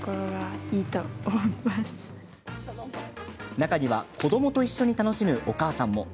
中には、子どもと一緒に楽しむお母さんも。